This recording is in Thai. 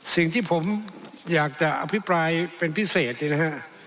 สิ่งที่ผมอยากจะอภิปรายเป็นพิเศษนี่นะฮะ